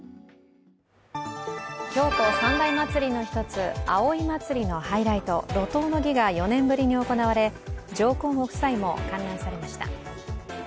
京都三大祭りの１つ、葵祭のハイライト、路頭の儀が４ねんぶりに行われ、上皇ご夫妻も観覧されました。